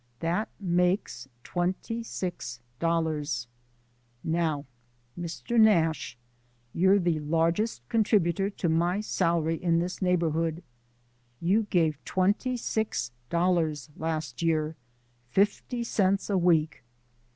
That makes twenty six dollars. Now, Mr. Nash, you're the largest contributor to my salary in this neighbourhood. You gave twenty six dollars last year fifty cents a week.